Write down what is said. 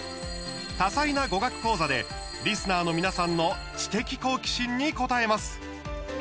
多彩な語学講座で、リスナーの皆さんの知的好奇心に応えます。